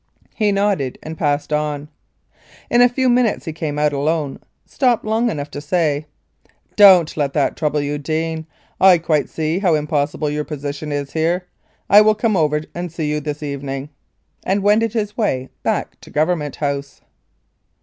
He nodded and passed on. In a few minutes he came out alone, stopped long enough to say, "Don't let that trouble you, Deane. I quite see how impossible your position is here. I will come over and see you this evening," and wended his way back to Government House.